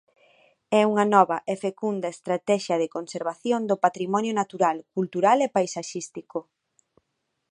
É unha nova e fecunda estratexia de conservación do patrimonio natural, cultural e paisaxístico.